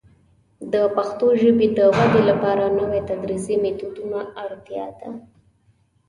د پښتو ژبې د ودې لپاره نوي تدریسي میتودونه ته اړتیا ده.